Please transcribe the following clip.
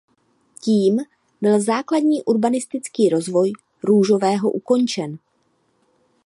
Tím byl základní urbanistický rozvoj Růžového ukončen.